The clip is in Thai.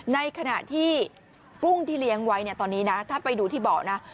ในขณะที่กุ้งที่เลี้ยงไว้ตอนนี้ถ้าไปดูที่บอก